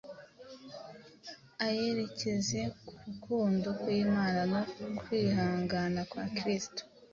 ayerekeze ku rukundo rw’Imana, no ku kwihangana kwa Kristo.